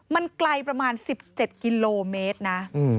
มันไกลประมาณ๑๗กิโลเมตรนะ